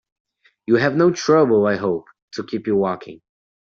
You have no trouble, I hope, to keep you waking?